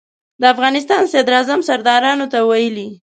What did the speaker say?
د افغانستان صدراعظم سردارانو ته ویلي.